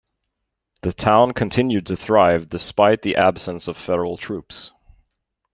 The town continued to thrive despite the absence of federal troops.